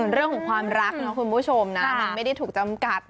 เรื่องของความรักนะคุณผู้ชมนะมันไม่ได้ถูกจำกัด